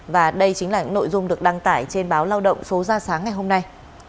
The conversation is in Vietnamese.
và đây chính là nội dung được đăng tải trên báo lao động số ra sáng ngày hôm nay